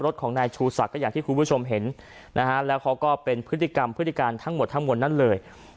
รถของนายชูศักดิ์อย่างที่คุณผู้ชมเห็นนะฮะแล้วเขาก็เป็นพฤติกรรมพฤติการทั้งหมดทั้งมวลนั้นเลย